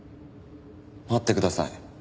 待ってください。